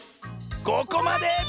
ここまで！